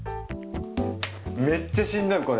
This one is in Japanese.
めっちゃしんどいこれ。